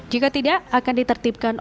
jika tidak akan ditetapkan